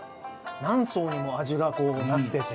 何層にも味がなってて。